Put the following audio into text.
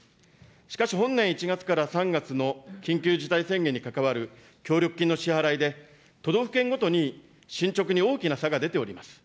しかし本年１月から３月の緊急事態宣言に関わる協力金の支払いで、都道府県ごとに進捗に大きな差が出ております。